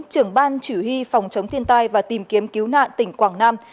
trưởng ban chủ hy phòng chống thiên tai và tìm kiếm cứu nạn tỉnh quảng nam